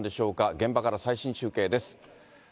現場から最新中継です。